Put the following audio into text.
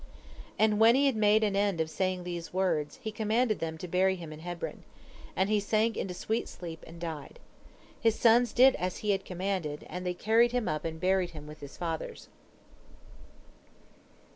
And when he had made an end of saying these words, he commanded them to bury him in Hebron. And he sank into sweet sleep, and died. His sons did as he had commanded, and they carried him up and buried him with his fathers.